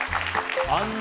あんな